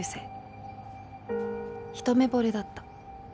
一目惚れだった。